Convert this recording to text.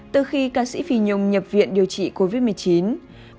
từ khi ca sĩ phi nhung nhập viện điều trị covid một mươi chín